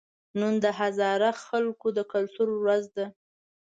نن د هزاره خلکو د کلتور ورځ ده